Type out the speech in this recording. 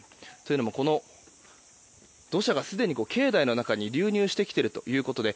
この土砂が、すでに境内の中に流入してきているということで